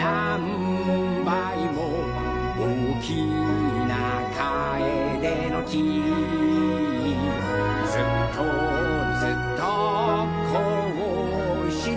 「おおきなカエデの木」「ずっとずっとこうしておはなししよう」